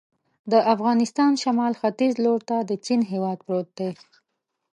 د افغانستان شمال ختیځ ته لور ته د چین هېواد پروت دی.